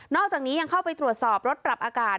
อกจากนี้ยังเข้าไปตรวจสอบรถปรับอากาศ